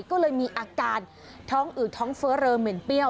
ก็เลยมีอาการท้องอืดท้องเฟ้อเรอเหม็นเปรี้ยว